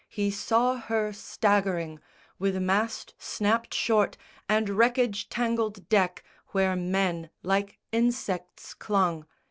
He saw her staggering With mast snapt short and wreckage tangled deck Where men like insects clung.